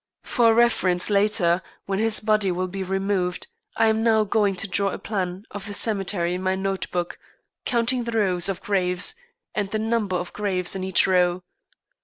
For reference later, when his body will be removed, I am now going to draw a plan of the cemetery in my notebook, counting the rows of graves and the number of graves in each row.